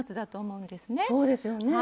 そうですよね。